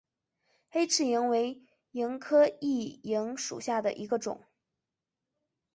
黑翅萤为萤科熠萤属下的一个种。